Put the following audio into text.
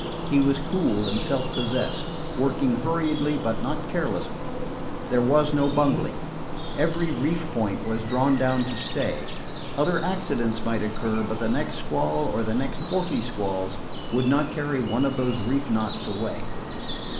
He was cool and self possessed, working hurriedly but not carelessly. There was no bungling. Every reef point was drawn down to stay. Other accidents might occur, but the next squall, or the next forty squalls, would not carry one of those reef knots away.